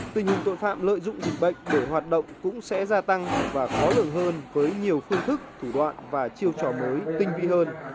tình hình tội phạm lợi dụng dịch bệnh để hoạt động cũng sẽ gia tăng và khó lường hơn với nhiều phương thức thủ đoạn và chiêu trò mới tinh vi hơn